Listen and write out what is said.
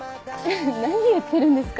何言ってるんですか？